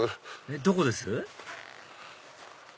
どこです？